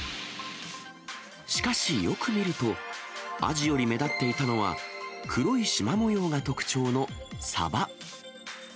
しかし、よく見ると、アジより目立っていたのは、黒いしま模様が特徴のサバ。